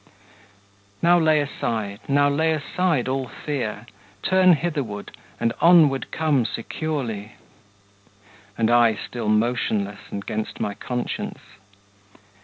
Now lay aside, now lay aside all fear, Turn hitherward, and onward come securely;" And I still motionless, and 'gainst my conscience!